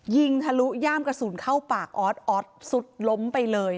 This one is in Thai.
ยิงทะลุหญ้ามกระสุนเข้าปากออดสุดล้มไปเลย